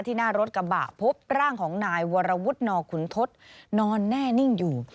หน้ารถกระบะพบร่างของนายวรวุฒินอขุนทศนอนแน่นิ่งอยู่